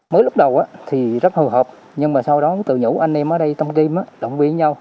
mới lúc đầu thì rất hợp hợp nhưng mà sau đó tự nhủ anh em ở đây tâm kim động viên nhau